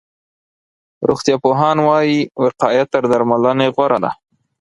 روغتيا پوهان وایي، وقایه تر درملنې غوره ده.